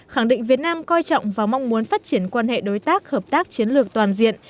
khẳng định việt nam coi trọng và mong muốn phát triển quan hệ đối tác hợp tác chiến lược toàn diện